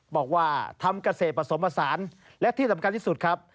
บอกว่าทำเกษตรผสมผสานและที่สำคัญที่สุดครับ